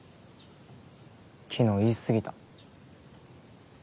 昨日言い過ぎた。